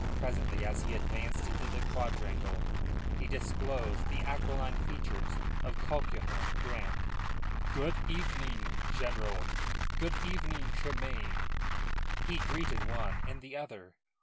Presently, as he advanced into the quadrangle, he disclosed the aquiline features of Colquhoun Grant. "Good evening, General. Good evening, Tremayne," he greeted one and the other.